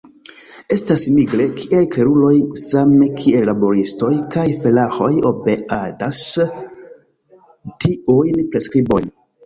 Estas mirige, kiel kleruloj same kiel laboristoj kaj felaĥoj obeadas tiujn preskribojn.